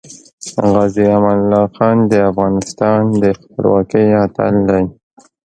غازې امان الله خان د افغانستان د خپلواکۍ اتل دی .